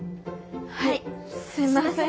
はいすんません。